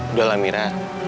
udah lah amira